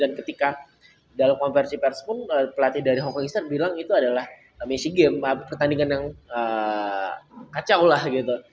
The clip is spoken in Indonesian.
ketika dalam konversi pers pun pelatih dari hongkong bilang itu adalah messi game pertandingan yang kacau lah gitu